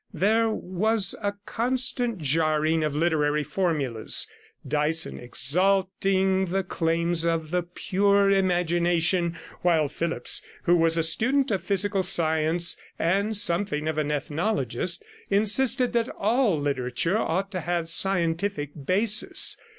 There was a constant jarring of literary formulas, Dyson exalting the claims of the pure imagination; while Phillipps, who was a student of physical science and something of an ethnologist, insisted that all literature ought to have a scientific basis.